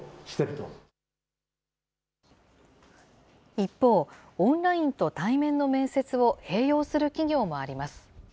一方、オンラインと対面の面接を併用する企業もあります。